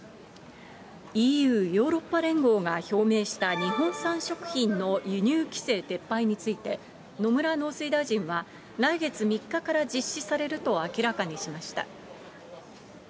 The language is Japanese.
ＥＵ・ヨーロッパ連合が表明した日本産食品の輸入規制撤廃について、のむら農水大臣は、来月３日から実施されると明らかにしました。